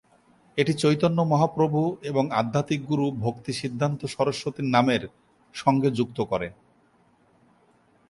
এটি চৈতন্য মহাপ্রভু এবং আধ্যাত্মিক গুরু ভক্তি সিদ্ধান্ত সরস্বতীর নামের সঙ্গে যুক্ত করে।